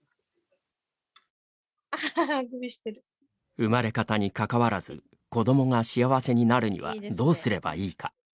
生まれ方にかかわらず子どもが幸せになるにはどうすればいいか。